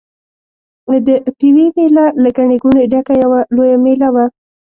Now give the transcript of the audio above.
د پېوې مېله له ګڼې ګوڼې ډکه یوه لویه مېله وه.